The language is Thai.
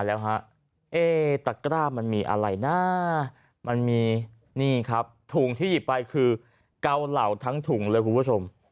แล้วฮะเอ๊ตะกร้ามันมีอะไรนะมันมีนี่ครับถุงที่หยิบไปคือเกาเหล่าทั้งถุงเลยคุณผู้ชม